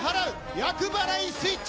厄払いスイッチ。